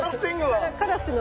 あカラスの。